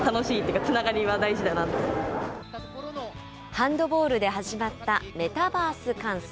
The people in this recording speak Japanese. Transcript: ハンドボールで始まったメタバース観戦。